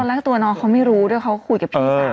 แล้วตัวน้องเขาไม่รู้ด้วยเขาคุยกับพี่สาว